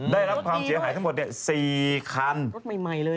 ได้รับความเสียหายทั้งหมดเนี่ย๔คันรถใหม่ใหม่เลย